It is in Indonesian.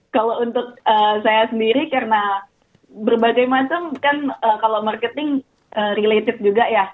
kalau untuk saya sendiri karena berbagai macam kan kalau marketing related juga ya